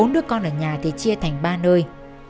bốn đứa con ở nhà thì chia thành ba nơi